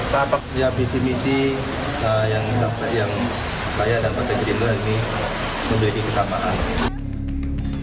rapat kerja visi misi yang saya dan partai gerindra ini memiliki kesamaan